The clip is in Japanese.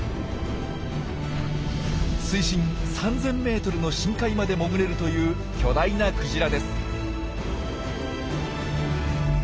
水深３，０００ｍの深海まで潜れるという巨大なクジラです。